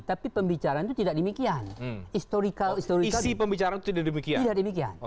tapi pembicaraan itu tidak demikian